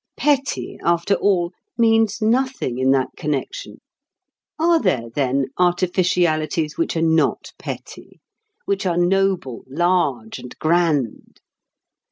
"Petty," after all, means nothing in that connexion. Are there, then, artificialities which are not "petty," which are noble, large, and grand?